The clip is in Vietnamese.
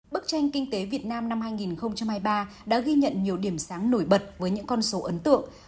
bức tranh kinh tế việt nam năm hai nghìn hai mươi ba đã ghi nhận nhiều điểm sáng nổi bật với những con số ấn tượng